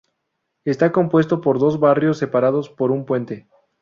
Está compuesta por dos barrios separado por un puente.